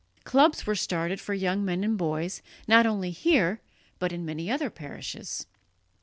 Clubs were started for young men and boys, not only here, but in many other parishes.